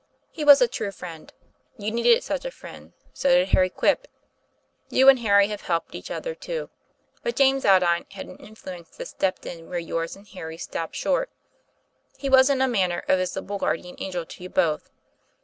He was a true friend; you needed such a friend; so did Harry Quip. You and Harry have helped each other, too; but James Aldine had an influence that stepped in where yours and Harry's stopped short. He was in a manner a visible guard ian angel to you both."